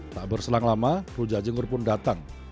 tak berselang lama rujak cinggur pun datang